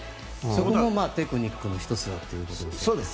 そこもテクニックの１つだということですよね。